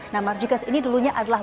nah margical ini dulunya adalah